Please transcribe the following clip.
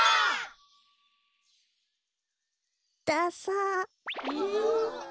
ダサ。